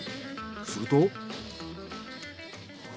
すると。